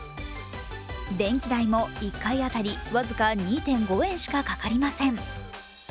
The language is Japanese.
電気代も１回当たり、僅か２．５円しかかかりません。